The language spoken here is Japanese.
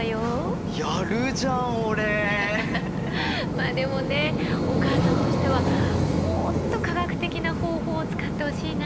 まあでもねお母さんとしてはもっと科学的な方法を使ってほしいな。